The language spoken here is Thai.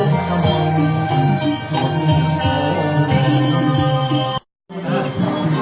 สวัสดีครับ